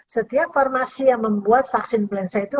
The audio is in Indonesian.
setiap farmasi yang membuat vaksin influenza itu